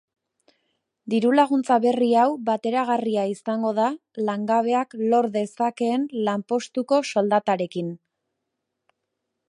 Diru-laguntza berri hau bateragarria izango da langabeak lor dezakeen lanpostuko soldatarekin.